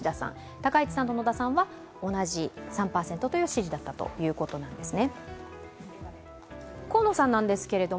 高市さんと野田さんは同じ３％という支持だったということなんですね。